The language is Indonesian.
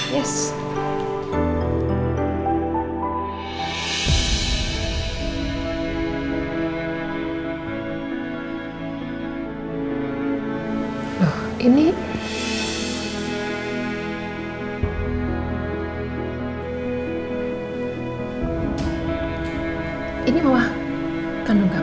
paschi ini rumah penunggang